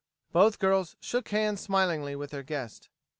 Both girls shook hands smilingly with their guest.